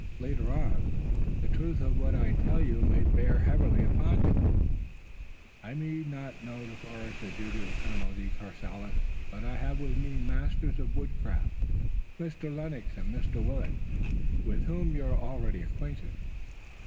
Later on, the truth of what I tell you may bear heavily upon you." "I may not know the forest as you do, Colonel de Courcelles, but I have with me masters of woodcraft, Mr. Lennox and Mr. Willet, with whom you're already acquainted."